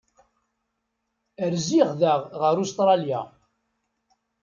Rziɣ daɣ ɣef Ustṛalya.